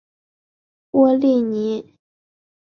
波利尼。